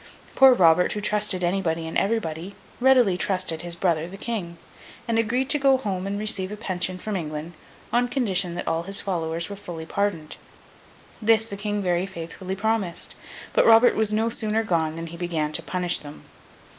Poor Robert, who trusted anybody and everybody, readily trusted his brother, the King; and agreed to go home and receive a pension from England, on condition that all his followers were fully pardoned. This the King very faithfully promised, but Robert was no sooner gone than he began to punish them.